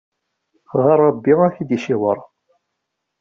Ɣer Ṛebbi ad t-id-iciweṛ.